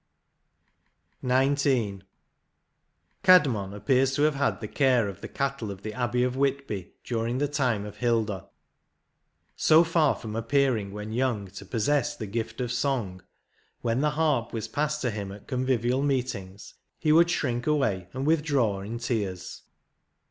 88 XIX. Caedmon appears to have had the care of the cattle of the Abhey of Whitby during the time of Hilda. So far from appearing when young to possess the gift of song, when the harp was passed to him at convivial meetings, he would shrink away and with draw in tears.